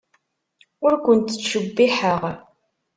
Ur kent-ttcebbiḥeɣ.